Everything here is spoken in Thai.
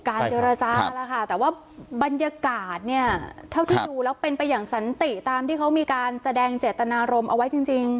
เจรจาแล้วค่ะแต่ว่าบรรยากาศเนี่ยเท่าที่ดูแล้วเป็นไปอย่างสันติตามที่เขามีการแสดงเจตนารมณ์เอาไว้จริง